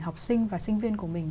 học sinh và sinh viên của mình